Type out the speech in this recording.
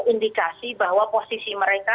indikasi bahwa posisi mereka